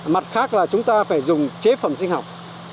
mặt khác là chúng ta phải dùng chế phẩm sinh học